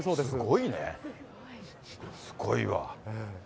すごいわ。